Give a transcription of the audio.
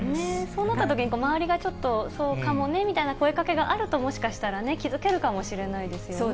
そうなったときに、周りがちょっと、そうかもねみたいな声かけがあると、もしかしたらね、気付けるかもしれないですよね。